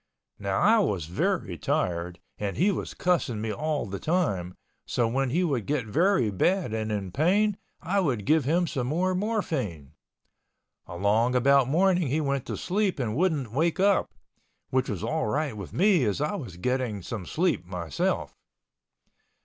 Now I was very tired and he was cussing me all the time, so when he would get very bad and in pain I would give him some more morphine. Along about morning he went to sleep and wouldn't wake up, which was all right with me as I was getting some sleep myself.